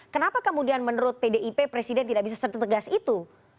kenapa kemudian menurut pdip presiden tidak bisa setegas itu